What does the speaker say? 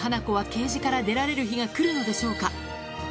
ケージから出られる日が来るのでしょうか？